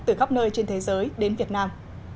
từ khắp nơi trên thế giới đến việt nam